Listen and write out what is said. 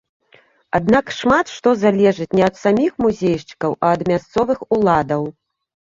Аднак шмат што залежыць не ад саміх музейшчыкаў, а ад мясцовых уладаў.